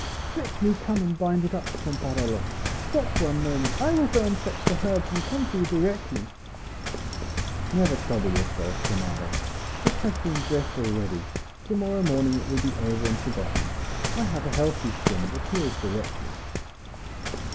"Let me come and bind it up, comparello. Stop one moment; I will go and fetch the herbs, and come to you directly." "Never trouble yourself, comare. It has been dressed already; to morrow morning it will be all over and forgotten. I have a healthy skin, that heals directly."